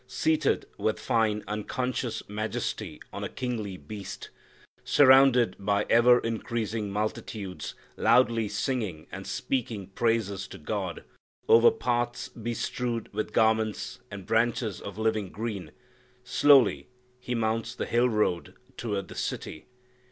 Seated with fine, unconscious majesty on a kingly beast, surrounded by ever increasing multitudes loudly singing and speaking praises to God, over paths bestrewed with garments and branches of living green, slowly He mounts the hill road toward the city.